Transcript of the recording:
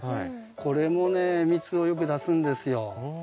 これもね蜜をよく出すんですよ。